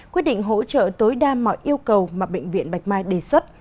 quyết định hỗ trợ tối đa mọi yêu cầu mà bệnh viện bạch mai đề xuất